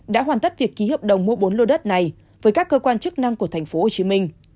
đã hoàn tất việc ký hợp đồng mua bốn lô đất này với các cơ quan chức năng của tp hcm